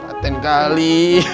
ih paten kali